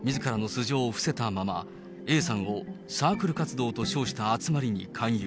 みずからの素性を伏せたまま、Ａさんをサークル活動と称した集まりに勧誘。